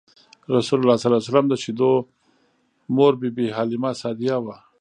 رسول الله ﷺ د شیدو مور بی بی حلیمه سعدیه وه.